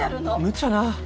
むちゃな。